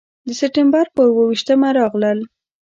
د سپټمبر پر اوه ویشتمه راغلل.